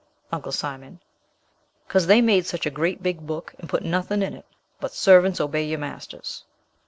Uncle Simon. "'Cause dey made such a great big book and put nuttin' in it, but servants obey yer masters."